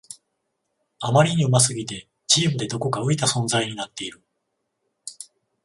あまりに上手すぎてチームでどこか浮いた存在になっている